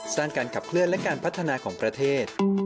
การขับเคลื่อนและการพัฒนาของประเทศ